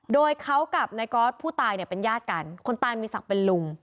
โดยเขากับนายก๊อตผู้ตายเนี่ยเป็นญาติกันคนตายมีศักดิ์เป็นลุง